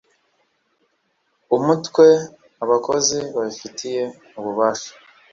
Umutwe abakozi babifitiye ububasha